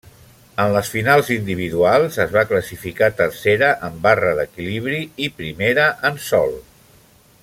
En les finals individuals es va classificar tercera en barra d'equilibri i primera en sòl.